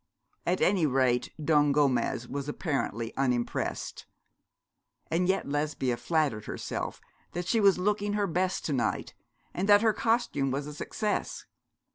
At any rate, Don Gomez was apparently unimpressed. And yet Lesbia flattered herself that she was looking her best to night, and that her costume was a success.